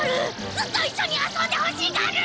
ずっと一緒に遊んでほしいガル！